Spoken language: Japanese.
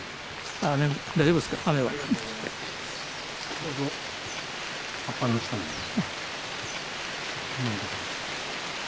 ちょうど葉っぱの下にいる。